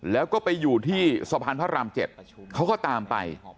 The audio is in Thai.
แล้วก็ไปอยู่ที่สะพานพระราม๗เขาก็ตามไป